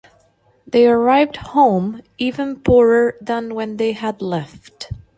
They arrived home even poorer than when they had left.